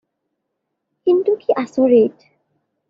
কিন্তু কি আচৰিত!